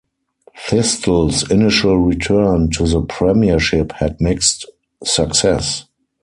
Thistle's initial return to the Premiership had mixed success.